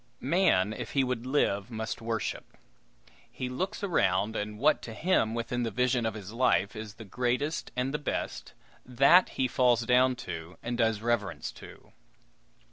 Man, if he would live, must worship. He looks around, and what to him, within the vision of his life, is the greatest and the best, that he falls down and does reverence to.